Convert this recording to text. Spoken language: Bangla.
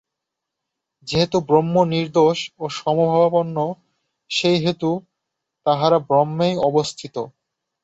যেহেতু ব্রহ্ম নির্দোষ ও সমভাবাপন্ন, সেই হেতু তাঁহারা ব্রহ্মেই অবস্থিত।